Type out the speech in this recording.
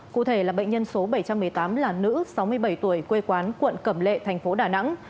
cụ thể là bệnh nhân số bảy trăm một mươi tám là nữ sáu mươi bảy tuổi quê quán quận cẩm lệ thành phố đà nẵng